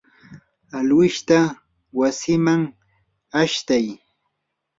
alwishta wasiman ashtay.